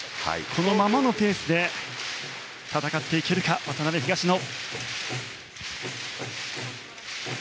このままのペースで戦っていけるか渡辺、東野。